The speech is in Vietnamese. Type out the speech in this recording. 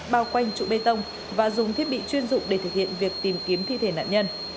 bao quanh trụ bê tông và dùng thiết bị chuyên dụng để thực hiện việc tìm kiếm thi thể nạn nhân